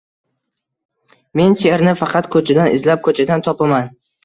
– Men she’rni faqat ko‘chadan izlab, ko‘chadan topaman.